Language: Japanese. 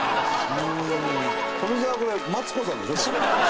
富澤はこれマツコさんでしょ？